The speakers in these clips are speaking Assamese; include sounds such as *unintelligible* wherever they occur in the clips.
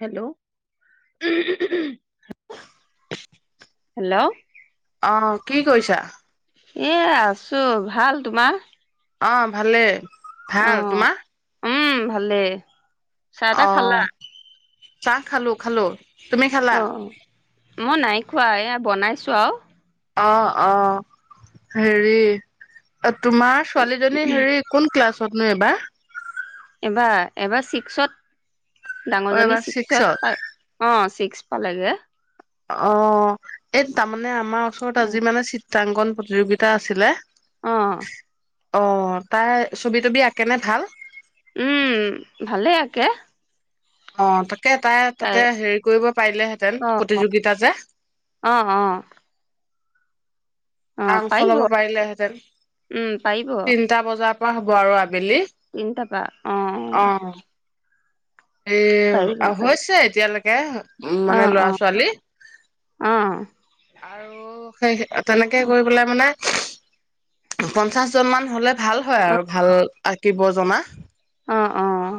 হেল্ল' হেল্ল' অ' কি কৰিছা? এ আছো ভাল তোমাৰ? অ' ভালে অ ভাল, তোমাৰ? উম ভালে। চাহ-টা অ খালা? চাহ খালোঁ খালোঁ। তুমি খালা? অ মই নাই খোৱা এইয়া বনাইছো আৰু অ অ হেৰি তোমাৰ ছোৱালীজনী হেৰি কোন ক্লাছ? সি এইবাৰ এইবাৰ, এইবাৰ ছিক্সত অ ডাঙৰজনী এইবাৰ ছিক্সত পায় অ ছিক্স পালেগে অ' এই তামানে এনে আমাৰ ওচৰত আজি মানে চিত চিত্ৰাংকন প্ৰতিযোগিতা আছিলে অ' অ' তাই ছবি-তবি আঁকে নে ভাল? উম ভালে আকে অ তাক কে তাই তাতে হেৰি কৰিব পাৰিলেহেঁতেন, অ প্ৰতিযোগিতা যে। অ অ অ অংশ পাৰিব লব পাৰিলেহেঁতেন। উম তিনটা বজাত ৱা হ'ব আৰু আবেলি। তিনিটাপা অ' এ পাৰিব হৈছে এতিয়ালৈকে এ উম অ মানে অ ল'ৰা-ছোৱালী অ অ আৰু সেই তেনেকে গৈ পেলাই মানে পঞ্চাশজন মান হ'লে ভাল হয় আৰু ভাল আঁকিব জনা অ' অ'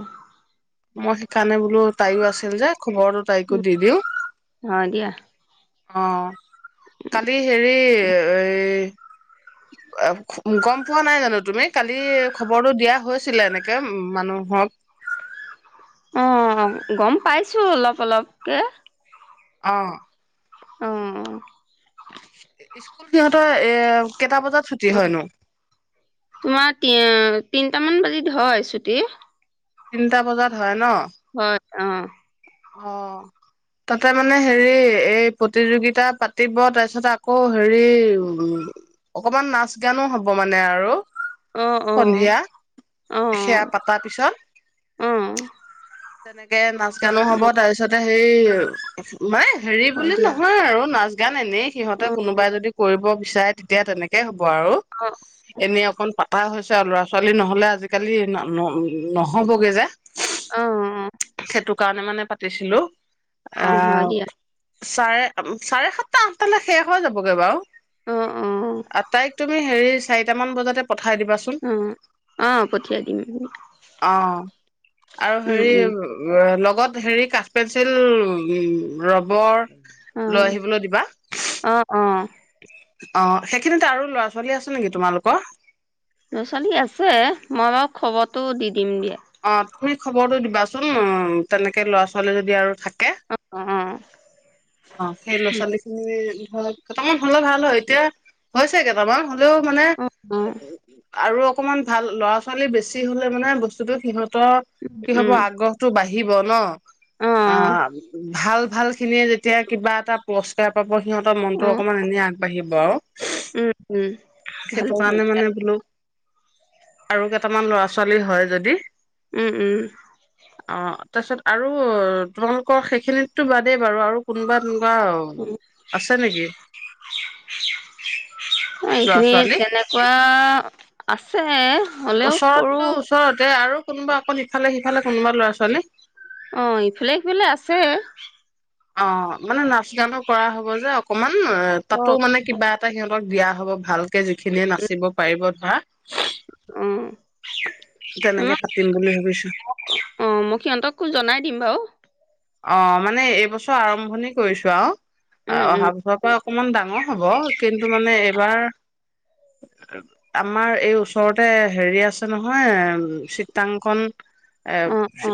মই সেইকাৰণে বো লো তাইও আছিল যে, খবৰটো তাইকো দি দিওঁ হয় দিয়া অ' কালি হেৰি এই গম পোৱা নাই জানো তুমি! কালি খবৰটো দিয়া হৈছিলে এনেকে উম মানুহক অ' অ' গম পাইছো অলপ অলপকে অ'হ অ' *unintelligible* তই এ কেইটা বজাত ছুটি অ হয়নো? ইটামান বাজিত হয় ছুটি তিনিটা বজাত হয় ন? হয় অ' অ' তাতে মানে হেৰি এই প্ৰতিযোগিতা পাতিব তাৰপিছত আকৌ ঘৰে অকমান নাচ-গানো হ'ব মানে আৰু অ অ সন্ধিয়া, অ সেয়া পাতাৰ পিছত অ তেনেকে নাচ-গানো ম অ উম তাৰপিছত এইয়া সেই মায়ে হেৰি হয় বুলি দিয়া নহয় আৰু নাচ গান এনেই সিহঁতে অ কোনোবাই যদি কৰিব চাই তেতিয়া তেনেকে হ'ব আৰু অ এনে অকণ পাতা হৈ ল'ৰা-ছোৱালী নহ'লে আজি কালি ন- ন নহ'বগে যে! অ সেত ন মানে দিছিলোঁ অ হয় আও দিয়া চাৰে, চাৰেসাতটা আঠটালৈ শেষ হৈ যাবগৈ বাৰু! অ অ আটাইক তুমি হেৰি চাৰিটামান বজাতে পঠাই দিবাচোন অ অ পঠিয়াই দিম উম উম লগত হেৰি কাঠপেঞ্চিল ৰব বৰ অ লৈ আহিবলৈ দিবা অ' অ অ সেইখিনিতে আৰু ল'ৰা ছোৱালী আছে নেকি তোমালোকৰ? ল' ছোৱালী আছে মই বাৰু খবৰটো দি ইণ্ডিয়া অঁ তুমি খবৰটো দিবাচোন, তেনেকে ল'ৰা-ছোৱালী যদি আৰু থাক কে অ অ' সেই ল'ৰা-ছোৱালীখিনি হয় বৰ্তমান হলে ভাল হয় এতিয়া হৈছেগে কাবা হেল্লো মানে অ অ আৰু অকণমান ভাল ল'ৰা ছোৱালী বেছি হলে মানে বস্ত সিহঁত সিহঁতৰ কি হব উম আগ্ৰহতটো বাঢ়ি আহিব ন অ অ অ ভাল ভাল খিনিয়ে যেতিয়া কিবা এটা পুৰস্কাৰ পাব হ সিহঁতৰ মনটো অকমান এনে বাঢ়িব আৰু উম উম সেইটো ভালৈই কাৰণে কৰিছা মানে বোলো আৰু কেইটামান ল'ৰা ছোৱালী হয় যদি দি উম উম তাৰপিছত আৰু তোমালোকৰ সেইখিনিতো বাদেই বাৰু আৰু কোনোবা অ বাৰু আছে নেকি ল'ৰা এইখিনিত‌ ছোৱালী তেনেকুৱা অ আছে হ'লেও সৰু ওচৰতো ওচৰতে আৰু কোনোবা অকণ সিফালে সিফালে কোনোবা ল'ৰা ছোৱালী অ ইফালে সিফালে আছে অ মানে নাচ গানো কৰা হ'ব যে কমান উ অ তাতো মানে কিবা এটা সিহঁত দিয়া হব ভাল যিখিনিয়ে নাচিব পাৰিব ধৰা অই তেনেকে পাতিম বুলি ভাবিছো অ মই সিহঁতকো জনাই দিম বাৰু অ মানে এইবছৰ আৰম্ভণি কৰিছো আৰু অ উম উম অহা বছৰ পৰা অকমান ডাঙৰ হব কিন্তু মানে যোবাৰ আমাৰ এই ওচৰতে হেৰি আছে নহয় চিত্ৰাংকন এ অ অ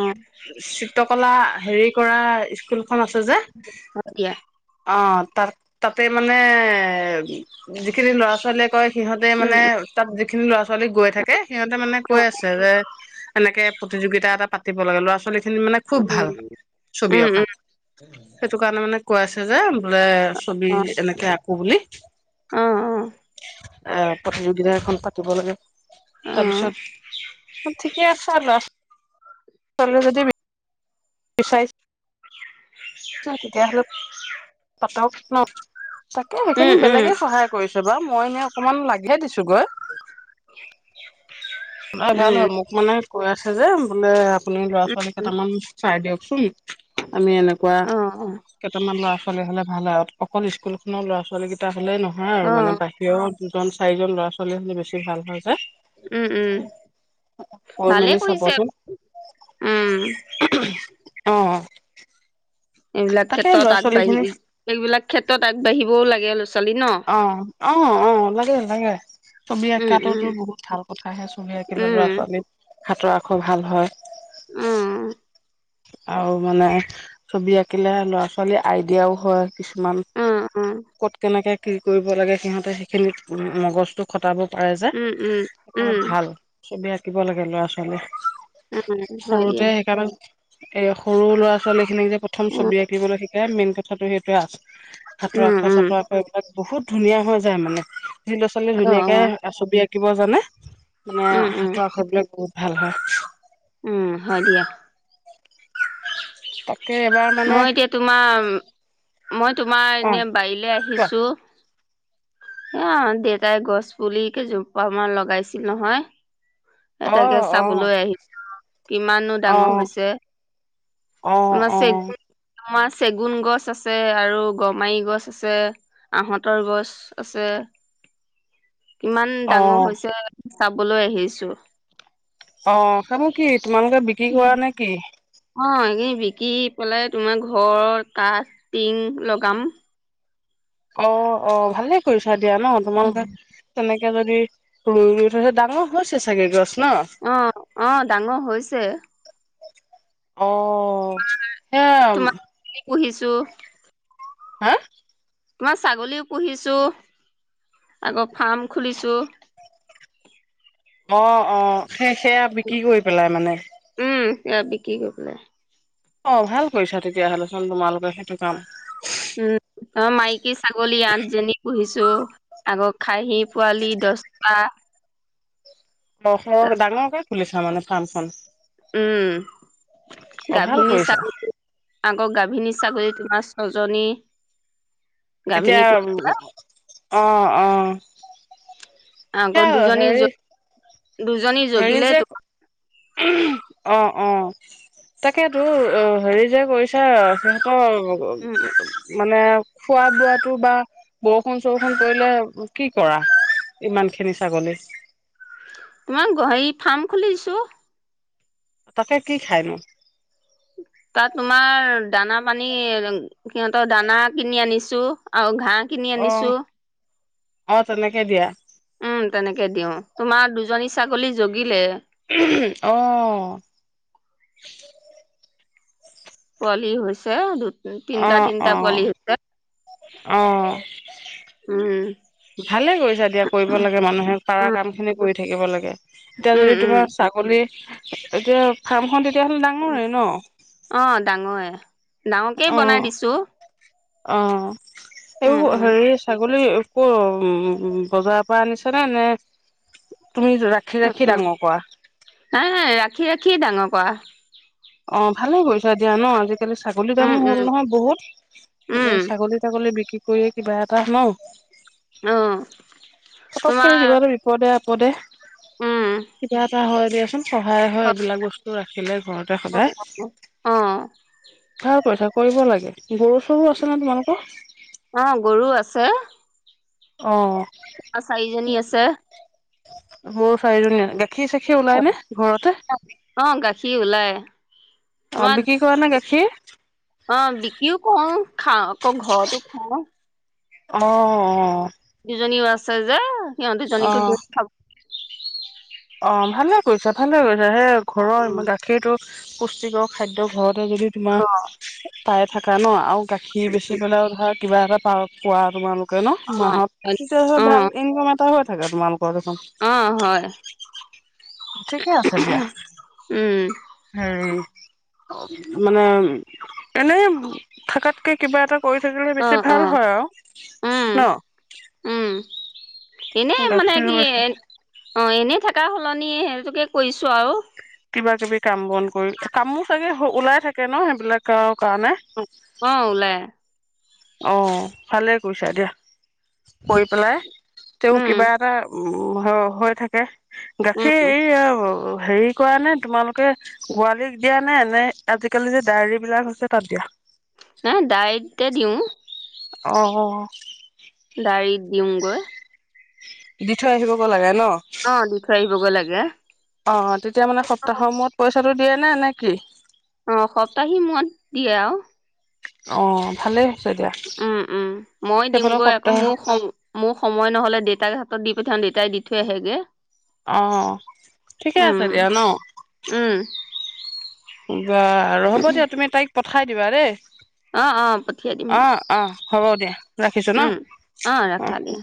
চিত্ৰকলা হেৰি অ স্কুল খং আছে যে হ'ব দিয়া অ- তাত তাতে মানে যিখিনি ল'ৰা ছোৱালীয়ে কয় সিহঁতে উম মানে তাত কি *unintelligible* ছোৱালী গৈ থাকে সিহঁতে মানে উম অ কৈ আছে আৰু এ এনেকে প্ৰতিযোগিতা এটা পাতিব লাগে ল'ৰা ছোৱালীক খিনি মানে খুব ভাল তুমি অকা সেইটো মানে পাচ হাজাৰ বোলে ছবি এনেকা কুবলি অ উম উম অ অ অ অ প্ৰতিযোগিতা এখন পাতিব লাগে । অ তাৰপিছত ঠিকে আছে আৰু ল'ৰা ছোৱালী চলো যদি এক চাইজ তেতিয়াহলে পাতক । নট তাকে সেইখিনি উম উম বেলেগে সহায় কৰিছে বা? মই এনেই অকণমান লাগিহে দিছো *unintelligible* *inaudible* *inaudible* নাই ভাল উম হয় মোক মানে কৈ আছে যে বোলে আপোনাৰ ল'ৰা ছোৱালী উম কেইটামান চাই দিয়ক । চুলি আমি এনেকুৱা অ অ কেইটামান ল'ৰা ছোৱালী হলে ভাল অলপ । অকল স্কুল খনৰ লৰা ছোৱালী কেইটা হলে নহয় অ আৰু মানে বাহিৰৰ দুজন চাৰিজন ল'ৰা ছোৱালী হলে বেছি ভাল হয় যে। উম উম কৈ ভালে মেলি কৰিছে চাবচোন উম । অ এইবিলাক তাকে ল'ৰা ক্ষেত্ৰত ছোৱালী খিনি আগবাঢ়ি এইবিলাক ক্ষেত্ৰত আগবাঢ়িব লাগে *unintelligible* চলি ন। অ অ অ লাগে লাগে। ছবি উম আঁকাটোতো উম বহুত ভাল কথাহে ছবি আঁকিলে লৰা উম ছোৱালীক। হাতৰ আখৰ ভাল হয়। উম। আৰু মানে ছবি আঁকিলে লৰা ছোৱালীৰ আইডিয়াও হয়। কিছুমান উম উম ক'ত কেনেকে। কি কৰিব লাগে সিহঁতে সেইখিনিত মগজটো খটাব। পাৰে যে উম উম সেইকাৰণে উম ভাল ছবি আঁকিব লাগে ল'ৰা ছোৱালীয়ে। উম হয় দিয়া সৰুতে সেইকাৰণে। এ সৰু ল'ৰা ছোৱালী খিনিক যে। প্ৰথম উম ছবি আঁকিবলৈ শিকাই মেইন কথা। কথাটো সেইটোবে আছে। সাঁতৰ উম আখ উম চাঁতৰ এইবিলাক। বহুত ধুনীয়া হৈ যায় মানে। ল'ৰা ছোৱালী অ ধুনীয়াকে অ ছবি। থাকিব জানে। মানে উম উম হাতৰ আখৰ বিলাক বহুত। ভাল হ। উম হয় দিয়া। তাকে এবাৰ মানে মই এতিয়া তোমাৰ মই তোমাৰ অ এনে বাৰীলে কোৱা আহিছোঁ। এ দেউতাই গছ পুলি কেইজোপামান লগাইছিল নহয়। এ অ তাকে অ চাবলৈ আহিছোঁ। কিমানো অ ডাঙৰ হৈছে অ তোমাৰ চে। আমাৰ চেগুন গছ আছে আৰু গমাৰি গছ আছে আহঁতৰ গছ আছে। কিমান অ অ ডাঙৰ হৈছে। চাবলৈ আহিছোঁ। অ খাব। কি তোমালোকে বিক্ৰী কৰা নে কি। কলে তোমাৰ ঘৰৰ কাঠ টিং লগাম। অ অ ভালে কৰিছোঁ। হয় দিয়া ন তোমালোকে তেনেক। কেইজনী ৰুইও থৈছে ডাঙৰ হৈছে চাগে গছ। ন অ অ ডাঙৰ হৈছে। অ অ হে পুহিছোঁ হা? তোমাৰ ছাগলীও পুহিছো আকৌ ফাৰ্ম খুলিছো ৷ অ অ। সেই সেয়া বিক্ৰী কৰি পেলাই মানে উম এয়া বিক্ৰী কৰি পেলাই। অ ভাল কৰিছা তেতিয়াহলেচোন তোমালোকে সেইটো কাম ৷ উম অ মাই। কি ছাগলী আঠ জনি পুহিছো উ--আগৰ খাহি পোৱালি দছটা। অখ ডাঙৰকে খুলিছে তাৰমানে ফাৰ্মখন উম অ ভাল গাভিনীৰ কৰিছা ছা আগৰ গাভিনীৰ ছাগলী। মাছ ছজনী এতিয়া গাভিনী পৰিছে উ অঁ অঁ আগত দুজনী জ দুজনী হেৰি জগিলে যে তো। অ অ তাকেতো অ হেৰি যে কৰিছে সিহঁতৰ উম অ মানে খোৱা বোৱাটো বা বৰষুণ চৰষুণ পৰিলে কি কৰা ইমান খিনি ছাগলী? তোমাৰ গাহৰি ফাৰ্ম খুলিছো। তাকে কি খায়নো? তাত তোমাৰ দানা পানী সিহঁতৰ দানা কিনি আনিছো আৰু ঘাঁহ কিনি অ আনিছো। অ তেনেকে দিয়া ৷ উম তেনেকে দিও তোমাৰ দুজনী ছাগলী জগিলে অহ । পোৱালি হৈছে দু অ তিনটা তিনটা অ পোৱালি হৈছে অ উম ভালে কৰিছা দিয়া কৰিব লাগে মানুহে পাৰা উম কাম খিনি কৰি থাকিব লাগে। *unintelligible* এতিয়া উম যদি উম তোমাৰ ছাগলী এতিয়া ফাৰ্মখন দে তেল ডাঙৰে ন? অ ডাঙৰে ডাঙৰকেই বনাই অ', দিছো। অ'। উম এইবোৰ উম হেৰি ছাগলী কৰ? উম - ম বজাৰৰ পৰা আনিছ নে? নে তুমি ৰাখি উম ৰাখি উম ডাঙৰ কৰা। কি ডাঙৰ কোৱা? অ' ভালে কৰিছা দিয়া ন আজি আজিকালি ছাগলী উম দামো উম হ'ল নহয় বহুত। উম এ ছাগলী-তাগলী বিকি কি কৰিয়ে কিবা এটা ন? অ' পতককে তোমাৰ কিবা এটা বিপদে কদে উম কিবা এটা হয় দে। সহায় হয় এইবিলাক বস্তু ৰাখিলে ঘৰতে সদায় অ । *inaudible* কৰিব লাগে। গৰু -চৰু আছে নে তোমালোকৰ? অ গৰু আছে অ'। চাৰিজনী আছে। *inaudible* গাখীৰ-চাখীৰ ওলাই নে ঘৰতে? অ গাখীৰ ওলাই অ' তোমাৰ বিক্ৰী কৰা নে গা সে অ' বিক্ৰীও কৰোঁ খা আকৌ ঘৰতো খাওঁ । অ' অ' অ'। দুজনীও আছে যে সিহঁত দুজনীকো অ', দিও খাব। অ' ভালে কৰিছা ভালে ক সে অ ঘৰৰ গাখীৰতটো পুষ্টিকৰ খাদ্য ঘৰত তে যদি তোমাৰ পাই থাকা ন আৰ! গাখীৰ বেছি পেলাও ভাত কিবা এটা পাৰ্ক পোৱা তোমালোক কে ন' মাহত কি যেহে অ অ ভাল ইনকাম এটা হয় ভাগত মাল খোৱা কচম অ হয় ঠিকেই আছে দিয়া উম হেৰি মানে এনে থকাতকে কিবা এটা পঢ়ি থাকিলে অ বেছি অ ভাল হয় আৰু উম ন উম এনেই মানে গাখীৰ কি বেচা অ এনে থকা সলনি সেইটোকে কৰিছো আৰু কিবাকিবি কাম বন কৰি কামো চাগে ওলাই থাকে ন সেইবিলাক কাৰণে অ ওলাই অঁ ভালে কৰিছা দিয়া কৰি পেলাই তেওঁ উম কিবা এটা উ হৈ থাকে উম গাখীৰ এইয়া হেৰি কৰা নে তোমালোকে গোৱালীক দিয়া নে নে আজিকালি যে ডায়েৰী বিলাক হৈছে তাত দিয়া নাই দায়তে দিওঁ অঁ দাৰিত দিওঁগৈ দি থৈ আহিব গৈ লাগে অ দি থৈ আহিব গৈ লাগে ত অঁ তেতিয়া মানে সপ্তাহৰ মূৰত পইচা সেটো দিয়ে না নে কি অ সপ্তাহি মূৰত দিয়ে আৰু অঁ ভালেই হৈছে দিয়া উম উম মই দিম সেইফালৰ গৈ আকৌ সপ্তাহ মোৰ মোৰ সময় নহলে দেউতাক হাতত দিম পিঠখন দেউতাই দি থৈ আহেগে অ ঠিকে আছে উম দিয়া ন উম বা হ'ব দিয়া তুমি তাইক খাই দিবা দেই অ অ পঠিয়াই দিম অ দিয়া। অ হ'ব দিয়া ৰাখিছো ন উম অ ৰাখা দিয়া উ